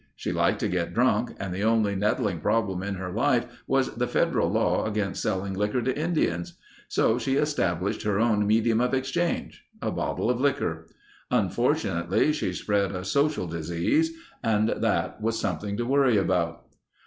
She liked to get drunk and the only nettling problem in her life was the federal law against selling liquor to Indians. So she established her own medium of exchange—a bottle of liquor. Unfortunately she spread a social disease and that was something to worry about.